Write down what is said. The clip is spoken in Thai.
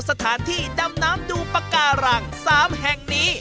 สถานที่ดำน้ำดูปากการัง๓แห่งนี้